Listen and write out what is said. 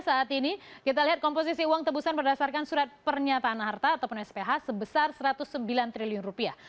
saat ini kita lihat komposisi uang tebusan berdasarkan surat pernyataan harta ataupun sph sebesar satu ratus sembilan triliun rupiah